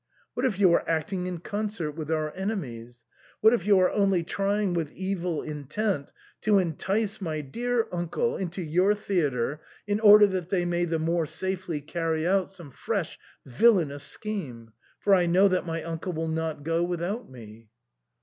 What if you are act ing in concert with our enemies ? What if you are only trying with evil intent to entice my dear uncle into your theatre in order that they may the more safely carry out some fresh villainous scheme, for I know that my uncle will not go without me